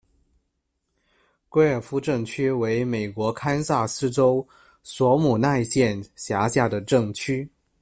圭尔夫镇区为美国堪萨斯州索姆奈县辖下的镇区。